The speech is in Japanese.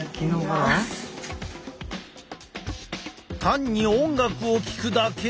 単に音楽を聴くだけ？